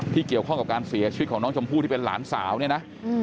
เกี่ยวข้องกับการเสียชีวิตของน้องชมพู่ที่เป็นหลานสาวเนี่ยนะ